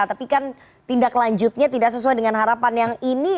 tapi kan tindak lanjutnya tidak sesuai dengan harapan yang ini